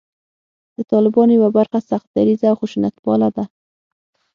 د طالبانو یوه برخه سخت دریځه او خشونتپاله ده